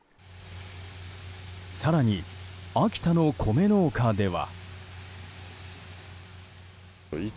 更に秋田の米農家では。